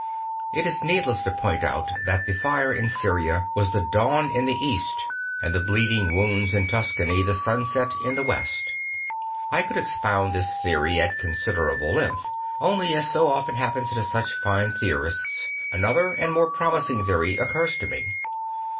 I t is needless to point out that the fire in Syria was the dawn in the East and the AI iracles and Death 159 bleeding wounds in Tuscany the sunset in the West. I could expound this theory at con siderable length; only, as so often happens to such fine theorists, another and more promising theory occurs to me.